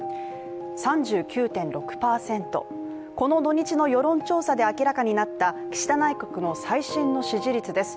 ３９．６％、この土日の世論調査で明らかになった岸田内閣の最新の支持率です。